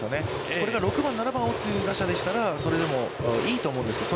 これが６番、７番を打つ打者だとそれでもいいと思うんですけど。